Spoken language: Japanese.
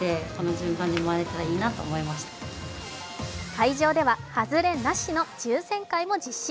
会場では、外れなしの抽選会も実施。